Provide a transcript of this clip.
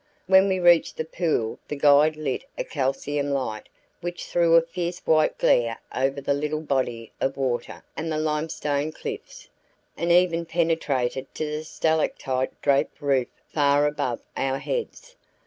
When we reached the pool the guide lit a calcium light which threw a fierce white glare over the little body of water and the limestone cliffs, and even penetrated to the stalactite draped roof far above our heads.